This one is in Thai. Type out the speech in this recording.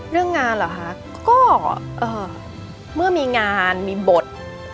เรื่องงานเหรอคะก็เมื่อมีงานมีบท